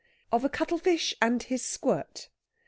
OF A CUTTLE FISH AND HIS SQUIRT.